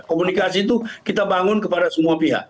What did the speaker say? komunikasi itu kita bangun kepada semua pihak